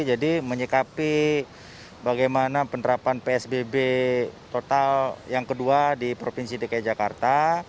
jadi menyikapi bagaimana penerapan psbb total yang kedua di provinsi dki jakarta